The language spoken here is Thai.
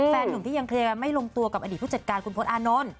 หนุ่มที่ยังเคลียร์กันไม่ลงตัวกับอดีตผู้จัดการคุณพลตอานนท์